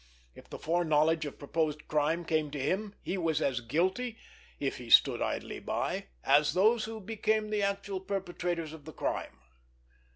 If the foreknowledge of proposed crime came to him, he was as guilty, if he stood idly by, as those who became the actual perpetrators of that crime.